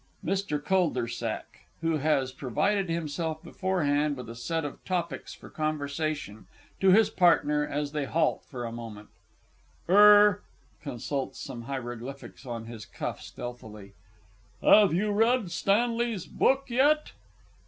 MR. CULDERSACK (who has provided himself beforehand with a set of topics for conversation to his partner, as they halt for a moment). Er (consults some hieroglyphics on his cuff stealthily) have you read Stanley's book yet?